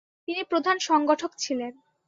তিনি প্রধান সংগঠক ছিলেন।